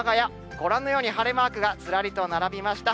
ご覧のように、晴れマークがずらりと並びました。